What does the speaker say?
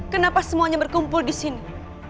kenapa semuanya berkumpul disini